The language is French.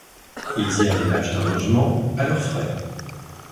Ils y aménagent un logement, à leurs frais.